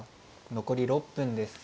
残り６分です。